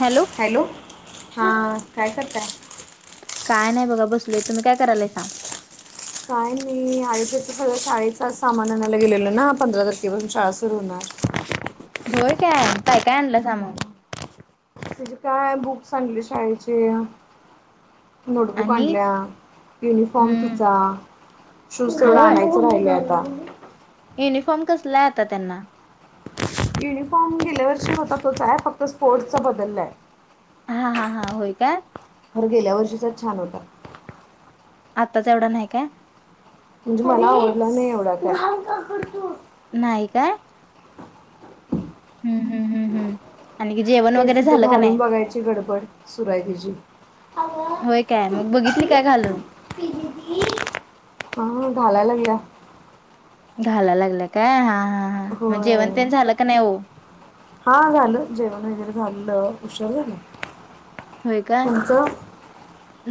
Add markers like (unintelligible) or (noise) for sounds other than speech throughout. Hello hello हा काय करताय? काय नाही बघा बसलोय तुम्ही काय करालायसा? काय मी आयुष्यच सगळ्या शाळेचा सामान आणायला गेलेलो ना पंधरा तारखेपासून शाळा सुरू होणार. होय काय काय काय आणलासा मग? तिचे काय बुक आणले शाळेचे नोटबुक आणि आणल्या युनिफॉर्म हम्म तिचा शूज तेवढं होय आणायचं राहिलंय आता युनिफॉर्म कसलाय आता त्यांना? युनिफॉर्म गेल्या वर्षी होता तोच आहे फक्त स्पोर्ट्सच बदललाय हा हा हा होय काय? तर गेल्या वर्षीचाच छान होतात. आत्ताच एवढं नाही का? म्हणजे मला आवडलं नाही एवढं काय नाही काय हम्म हम्म हम्म हम्म आणि जेवण तेच वगैरे तिचं झालं का घालून नाही बघायची गडबड सुरू आहे तिची होय काय मग बघितली काय घालून? हो घालायला लागल्या घालायला लागल्या काय हा हां होय हा झालं जेवण वगैरे झालं उशीर झालं. होय काय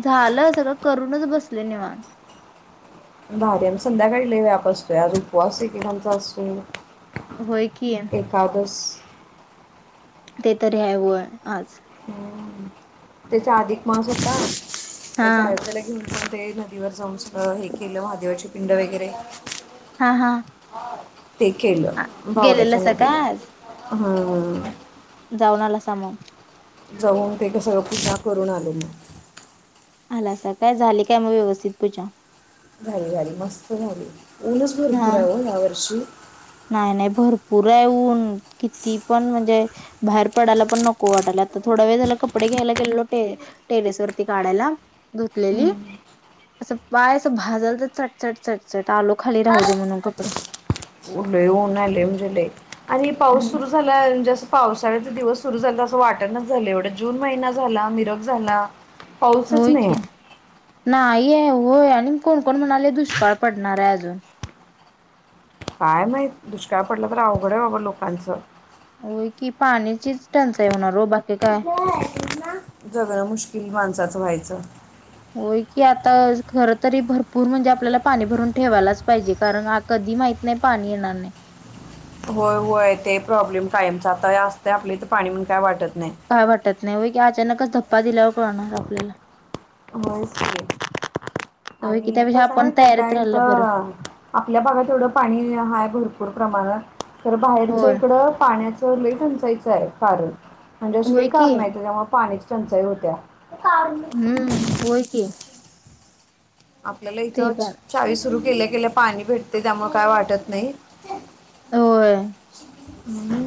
झालं सगळं करूनच बसले निवांत भारी संध्याकाळी लय व्याप असतोय उपवास एकेकांचा असून होय की एकादस ते तरी आहे वय आज हम्म. त्याचा अधिक मास होता हा त्याचा आ त्याला घेऊन ते नदीवर जा हे केलं महादेवाची पिंड वगैरे हा हा ते आ- केलं बावड्याच्या गेलेलासा नदीला काय आज हम्म जाऊन आलासा मग जाऊन ते का सगळं पूजा करून आले मग आला सा काय, झाले काय मग व्यवस्थित पूजा. झाली झाली. मस्त झाली. ऊनच भरपूर आहे ओ यावर्षी. नाय नाय भरपूरे ऊन, किती पण म्हणजे बाहेर पडाय पण नको वाटालात. आता थोडा वेळ झाला कपडे घ्यायला गेलो टे टेरेस वरती काढायला. धुतलेली. असं पाय अस भाजल त चटचट चटचट. आलो खाली राहू दे म्हणून कपडे. लई ऊने लई म्हणजे लई. आणि पाऊस सुरू झालाय म्हणजे अस पावसाळ्याचा दिवस सुरु झालं असं वाटणच झालं. एवढा जून महिना झाला. मिरग झाला. पाऊसच होय नाही की, आहे नाही आहे होय. आणि कोण कोण म्हणाले दुष्काळ पडणार आहे अजून. काय माहित. दुष्काळ पडलं तर अवघडे बाबा लोकांचं. होय की, पाण्याचीच टंचाई होणार हो. बाकी काय जगणं मुश्किल माणसाचं, व्हायचं. होय की, आता खर तरी भरपूर म्हणजे, आपल्याला पाणी भरून ठेवायलाच पाहिजे. कारण कधी माहिती नाही पाणी येणार नाही. होय होय, ते प्रॉब्लेम कायमचा आता असते. आपल्या ईथ पाणी म्हणून काय वाटत नाही. काय वाटत नाही. होय की, अचानकच ध्पा दिल्यावर कळणार आपल्याला. होयच की होय की आणि तो त्यापेक्षा आपण तयारीत राहिलं सांगितता बरं (inaudible) आपल्या भागात एवढं पाणी हाय भरपूर प्रमाणात. तर बाहेरच्या होय इकड पाण्या टंचाइच आहे. कारण म्हणजे अशी लय होय की कारणंय त्याच्यामुळे पाणी टंचाई होत्या. हम्म. होय की. आपल्याला ते इथं पण चावी सुरू केल्या केल्या पाणी भेटते. त्यामुळे काय वाटत नाही. होय. हम्म (unintelligible)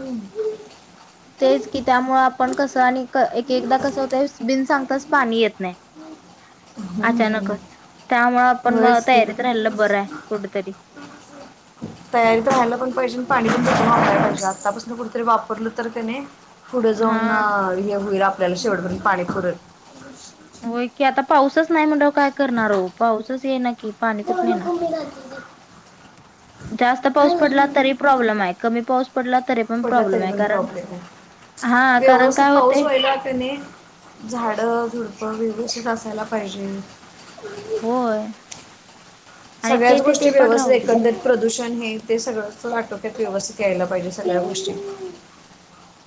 तेच की, त्यामुळ आपण कसं, आणि एक एकदा कसं होतय. बिन सांगताच पाणी येत नाही. (unintelligible) अचानकच. त्यामुळ आपण म होयच की तयारीत राहिलेलं बरं हाय कुठतरी. तयारी त राहायला पण पाहिजे. पाणी पण जपुन वापरायला पाहिजे. आत्तापासून कुठेतरी वापरलं तर कणी पुढ हा जाऊन हे होईल. आपल्याला शेवटपर्यंत पाणी पुरलं. होय की, आता पाऊसच नाही म्हणल्यावर काय करणार हो. पाऊसच येना की. पाणी ते कुठून म्हणु येणार घुमे लाती (unintelligible) जास्त पाऊस पडला तरी प्रॉब्लेम आहे. कमी पाऊस पडला तरी पण पडला प्रॉब्लेम तरी आहे पण कारण प्रॉब्लेम आहे. हा कारण व्यवस्थित काय होते पाऊस व्हायला क नी झाड झुडपं वेवस्थित असायला पाहिजे. होय. आणि ते सगळ्याच ते गोष्टी ते पण व्यवस्थित. राहू दे एकंदर प्रदूषण हे ते सगळं आटोक्यात व्यवस्थित यायला पाहिजे. सगळ्या गोष्टी.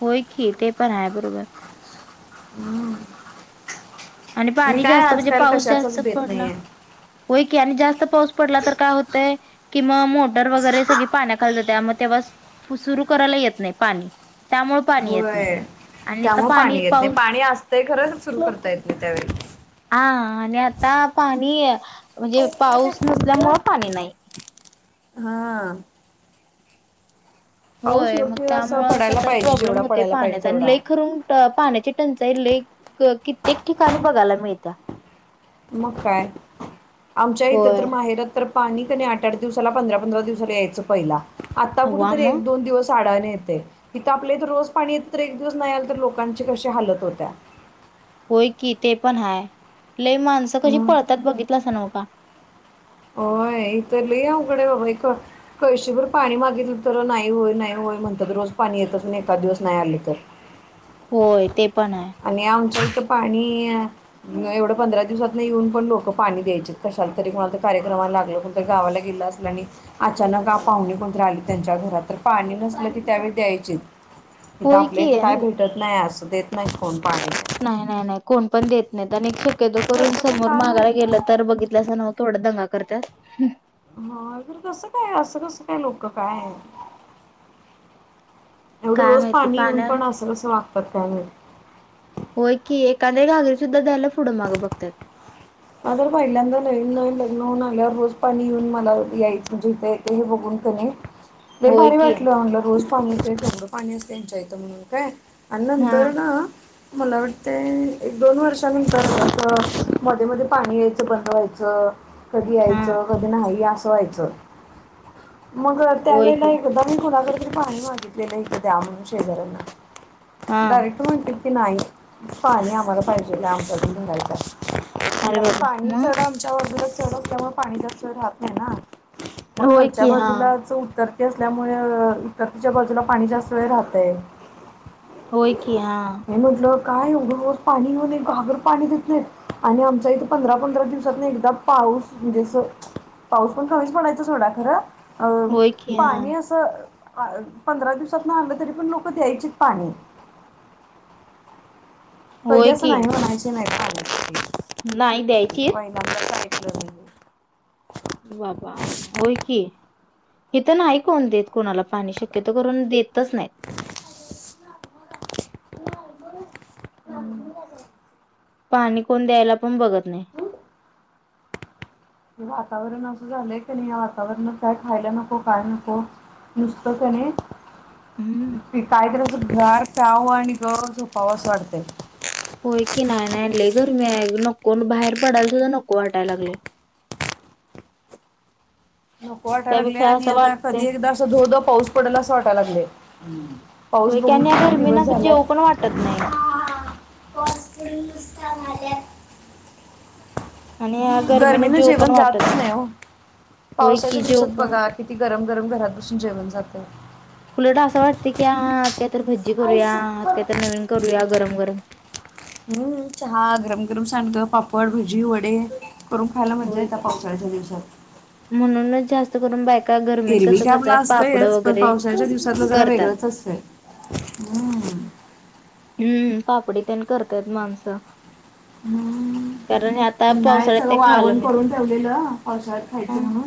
होय की, ते पण आहे बरोबर. हम्म. आणि पाणी जास्त म्हणजे, पाऊस जास्त नाही पडला. आहे होय की, आणि जास्त पाऊस पडला तर काय होतंय किं मोटर वगैरे सगळी पाण्याखाली जाते. मग तेव्हा सुरु करायला येत नाही पाणी. त्यामुळे पाणी येत नाही. होय आणि ईथ पाणी पाऊस, ते खरंच सुरू करता येत नाही त्यावेळेला. हा आणि आता पाणी, म्हणजे पाऊस नसल्यामुळं पाणी नाही. ह. पाऊस होय, मग योग्य असा त्यामुळं पडायला कस पाहिजे प्रॉब्लेम जेवढा होतोय पडायला पाहिजे पाण्याचा. आणि लइ तेवढा खरुन पाण्याची टंचाई लइ, कित्येक ठिकाणी बघायला मिळत्या. मग काय. आमच्या इथे तर, होय. माहेरात तर पाणी कने, आठ आठ दिवसाला. पंधरा पंधरा दिवसाला. यायचं पहिला. आता कुठ हव्वा तरी मग एक दोन दिवस आडान येतय इथं आपल्या इथ रोज पाणी तर एक दिवस नाही आल तर लोकांची कशी हालत होत्या होय की ते पण हाय लई माणसं कशी मग पळतात बघितलसा नव का होय इथ लय अवघड आहे बाबा कळशीभर पाणी मागितलं तर नाही होय नाही होय म्हणतात रोज पाणी येतच एखाद दिवस नाही आल तर होय ते पण हाय आणि आमच्या इथ पाणी एवढं पंधरा दिवसात येऊन पण लोक पाणी द्यायच कशाला तरी कोणाला कार्यक्रमाला लागलं गावाला गेला असंला आणि अचानक पाहुणे कोण तर आली त्यांच्या घरात पाणी नसलं ती त्यावेळी द्यायचे इथ होय आपल्या की इथं काय अन भेटत नाही असं देत नाही कोण पाणी नाही नाही नाही कोण पण देत नाही आणि एक शक्यतो करून कसं काय समोर काय मागायला माहित गेलं तर बघितलसनव थोड दंगा करत्यात हा तर कसं काय असं कसं काय लोक काय एवढं काय रोज माहिती पाणी येऊन पाण्या पण अस कस वागतात कायमहिती होय की एखाद्या घागरी सुद्धा द्यायला पुढं मागं बघत्यात का तर पहिल्यांदा नवीन नवीन लग्न होऊ (unintelligible) रोज पाणी (unintelligible) मला यायच जिथे हे बघून कणी लय होय भारी की वाटलं म्हणलं रोज पाणी येतय केवढ पाणी अस त्यांच्या इथं म्हणून काय अन हा नंतर न मला वाटतेय एक दोन वर्षांनंतर मध्ये मध्ये पाणी यायचं बंद व्हायचं कधी हा यायचं कधी नाही अस व्हायचं मग होय त्यावेेळेला की एकदा कुणाकडतरी पाणी मागितलेलं इथ द्या म्हणून शेजऱ्यांना हा डायरेक्ट (unintelligible) नाही पाणी आमाला पाहिजेलाय आमच्याकडं पण नाही पाणी अरे कारण बाबा पाणी मग चढ आमच्या बाजूला चढ असल्यामुळं पाणी आमच्याकडं राहत नाही ना मग होय खालच्या की हा बाजूलाचं उत्तर असल्यामुळ (unintelligible) बाजूला पाणी जास्त वेळ राहतय होय की हां- मी म्हटलं काय एवढं रोज पाणी घेऊन एक घागर पाणी देंत नाहीत आणि आमच्या इथं- पंधरा पंधरा दिवसात नाही एकदा पाऊस म्हणजे अस पाऊस पण कमीच म्हणायच सोडा खरं अ होय की हा पाणी असं पंधरा दिवसात न आलं तरी पण लोक द्यायचित पाणी कधी होय असं की नाही म्हणायचे नाहीत नाही द्यायचीत (unintelligible) बाबा होय की इथ नाही कोण देत कोणाला पाणी शक्योतो करून देतच नाहीत पाणी कोण द्यायला पण बघत नाही वातावरण असं झालंय का नाही या वातावरण काय खायला नको काय नको नुसत कणी हुं- काहीतरी असं गार प्याव आणि गप झोपावस वाटतंय. होय की नाही नाही लयी गरमी हाय नको बाहेर पडायला सुद्धा नको वाटाय लागलंय. नको वाटायला लागले त्यापेक्षा आणि असं आता वाटते कधी एकदा असं धो-धो पाऊस पडलं असं वाटाय लागलंय. पाऊस होय की बघून आणि या किती दिवस गरमीना जेव झालयात. पण वाटत नाही आणि या गरमीने गर्मीनं जेव पण जेवण जात वाटत नाही ओं होय की पावसाच्या जेव दिवसात पण बघा वाटत कि- गरम, गरम घरात बसून जेवण जातंय. उलट असं वाटतंय की हां आज काहीतर भज्जी करूया आज काही तर नवीन करूया गरम, गरम. हुं चहा गरम, गरम सांडगं, पापड, भजी, वडे- करून खायला मज्जा होय येत्या की पावसाळ्याच्या दिवसात. म्हणूनच जास्त- अस करून बायका गर- एरवी काय आपला असतयंच पण पावसाच्या दिवसातलं जरा करतात. वेगळंच असतंय हुं हुं पापडी तेन करत्यात माणसं. हुं कारण हे आता उन्हाळ्यात पावसाळ्यात सगळं ते खायला वाळवण मिळते. करून ठेवलेलं पावसाळत खायचं म्हणून.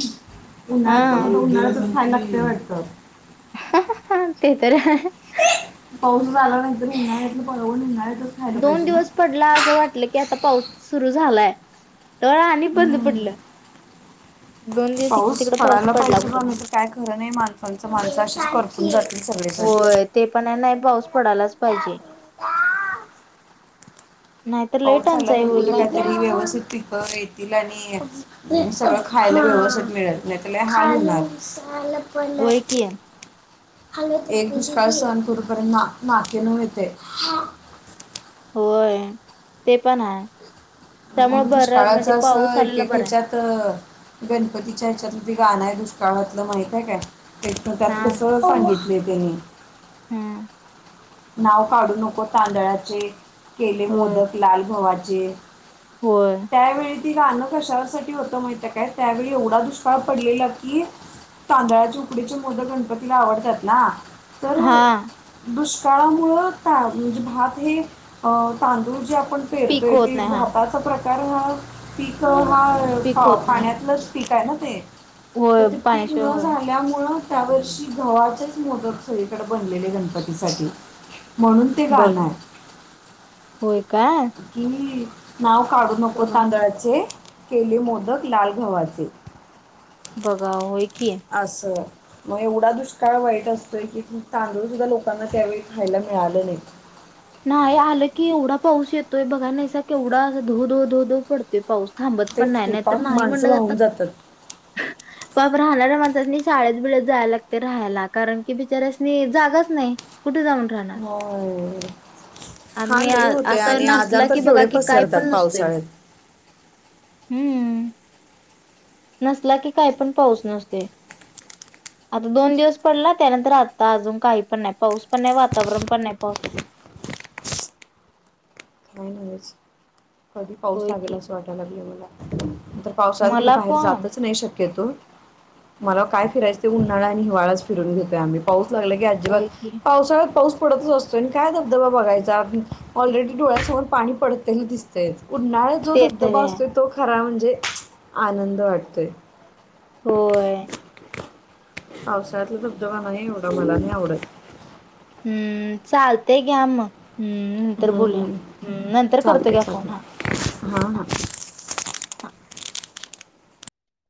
हा उन्हाळ्यात करून उन्हाळ्यातच खायलागतं वाटतं. (unintelligible) ते तर हाय. पाऊस झाला नाहीतर ऊन्हाळ्यातलं वाळवन ऊन्हाळ्यातच - दोन दिवस पडला असं वाटलं की आता पाऊस सुरू झालायं तवर आणि बंद हम्म. पडलं. दोन- दिवस इकडे पाऊस तिकडे पडायलां पडला पाहिजे कुठे बां नाही. नाहीतर काय खरं नाही माणसांचं माणसं अशीच करपून जातील सगळेजण. होय ते पण हाय, नाही पाऊस पडालांच पाहिजे. नाहीतर लई पाऊस चालला टंचाई तर होईल कुठे माहिती काय काहीतरी व्यवस्थित पिकं येतीलं आणि- सगळं खायला व्यवस्थित मिळलं नाहीतर लयी हाल होणार. होय की (inaudible) (inaudible) एक दुष्काळ सहन करू पर्यंत नाकी नाकी नऊ येतयं. होंय ते पण हायं मग त्यामुळं बरं म्हणजे पाऊस आलेला बरं हाय. तर गणपतीच्या ह्याच्यातलं ते गाणं आहे दुष्काळातलं माहितेयं काय? तेज्यात पण त्यात हा कस सांगितलंय त्यानी. हां- नाव काढू नको तांदळाचे, केले होय, मोदक लाल गव्हाचे. होय- त्यावेळी ती गाणं कशावरसाठी होतं माहितेंय काय? त्यावेळी एवढा दुष्काळ पडलेला की. तांदळाचे उकडीचे मोदक गणपतीला आवडतात नां तर हा दुष्- शाळामुळ‌ ता म्हणजे भात हे तांदुळ जे आपण पीक पेरतोय होत ते नाही हा. भातात. अस प्रकार हा पीक पीक हा होत नाही. पाण्यातलंच पीक आहे ना ते. तर होय ते पीक पाण्याशिवाय न होय. झाल्यामुळं त्यावर्षी गव्हाचेच मोदक सगळीकडे बनलेले गणपतीसाठी. म्हणुन ते गाणं बघा आहे. होय काय? किं नाव काढू नको बघा तांदळाचे केले मोदक लाल गव्हाचे. बघा ओं होय की. आसं- मग एवढा दुष्काळ वाईट असतोयं की तांदूळ सुद्धा लोकांना त्यावेळी खायला मिळालं नाही. नाही आलं की एवढा पाऊस येतोय बघाय नाहीसा केवढा धो- धो -धो -धो पड- ते पाऊस थांबत पण तेच नाय, की नाही तर पाक नाही माणसं म्हणलं तर वाहून जातात (unintelligible) पाप राहणाऱ्या माणसांनी शाळेत बिळेत जायला लागतंय राहायला कारणंकी बिचाऱ्यासंनी जागाच नाही. कुठे जाऊन? राहणार? होय- हां आणि लयी होतयं असं आणि आजार नसला तर केवढे पसरतात पावसाळ्यात. हुं- नसला की कायपण पाऊस नसतोय. आता दोन दिवस पडला त्यानंतर आता अजुन काही पण नाही पाऊस पण नाही वातावरण पण नाही पावसाच. काही नाहीच कधी पाऊस होय लागेल की असं वाटायला लागल मला. नंतर पावसााळ्यात कुठे मला बाहेर पण जातच नाही शक्य तो मला काय फिरायचं ते उन्हाळा आणि हिवाळा फिरून घेतय आम्ही पाऊस लागला. अजिबात होय की पावसाळ्यात पाऊस पडतच असतो काय धबधबा बघायचा ऑलरेडी डोळ्यासमोर पाणी पडततेला दिसतय उन्हाळत जो ते तर धबधबा आहे असतो. तो खरा म्हणजे आनंद वाटतोय. होय. पावसाळ्यातला धबधबा नाहीही एवढा मला नाही आवडत. हम्म चालतय घ्या मग हम् नंतर हम्म, बोलुया नंतर करतो घ्या फोन हा. हा हा. हा